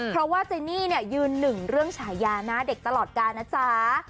เพราะว่าเจนี่เนี่ยยืนหนึ่งเรื่องฉายาหน้าเด็กตลอดกาลนะจ๊ะ